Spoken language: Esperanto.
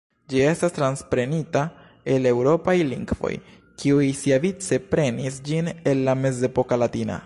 Ĝi estas transprenita el eŭropaj lingvoj, kiuj siavice prenis ĝin el la mezepoka latina.